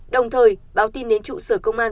đồng thời báo tin đến trụ sở công an